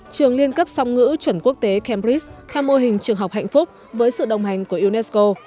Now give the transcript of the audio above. trường liên cấp song ngữ chuẩn quốc tế cambridge tham mô hình trường học hạnh phúc với sự đồng hành của unesco